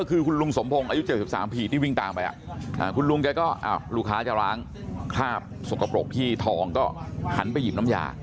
คือคุณลุงสมพงศ์อายุ๗๓ปีที่วิ่งตามไปคุณลุงแกก็ลูกค้าจะล้างคราบสกปรกที่ทองก็หันไปหยิบน้ำยา